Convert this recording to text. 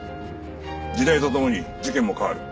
時代と共に事件も変わる。